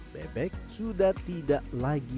bebek sudah tidak lagi